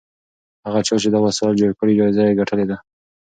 هغه چا چې دا وسایل جوړ کړي جایزه یې ګټلې ده.